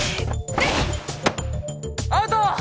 アウト！